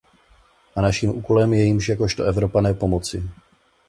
A naším úkolem je jim jakožto Evropané pomoci.